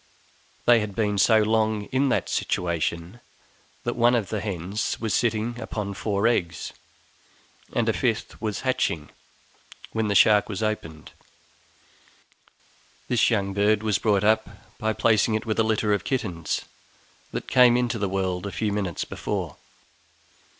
They had been so long in that situation, that one of the hens was sitting upon four eggs, and a fifth was hatching, when the shark was opened! This young bird we brought up by placing it with a litter of kittens that came into the world a few minutes before.